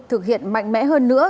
thực hiện mạnh mẽ hơn nữa